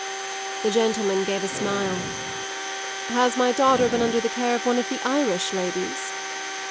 The gentleman gave a smile. "Has my daughter been under the care of one of the Irish ladies?"